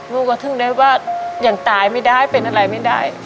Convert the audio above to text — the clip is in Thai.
ลูกก็ถึงได้ว่ายังตายไม่ได้เป็นอะไรไม่ได้